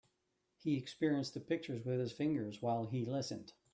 He experienced the pictures with his fingers while he listened.